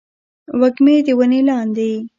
وږمې د ونې لاندې